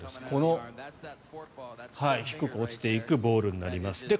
この低く落ちていくボールになります。